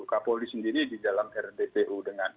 kapolri sendiri di dalam rdpu dengan